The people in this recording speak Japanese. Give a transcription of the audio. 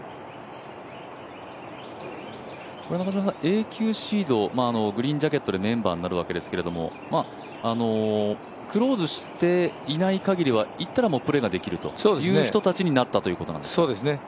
永久シード、グリーンジャケットでメンバーになるわけですけれども、クローズしていない限りは行ったらプレーをできるという人たちになったということですか？